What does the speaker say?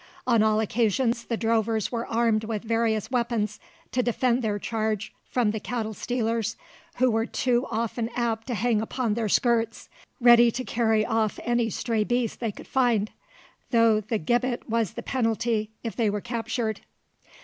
On all occasions the drovers were armed with various weapons to defend their charge from the cattle stealers who were too often apt to hang upon their skirts, ready to carry off any stray beast they could find, though the gibbet was the penalty if they were captured.